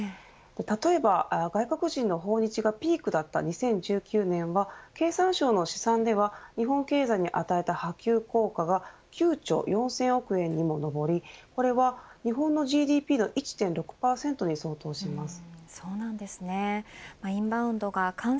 例えば、外国人の訪日がピークだった２０１９年は経産省の試算では日本経済に与えた波及効果が９兆４０００億円にも上りこれは日本のＧＤＰの１．６％に相当します。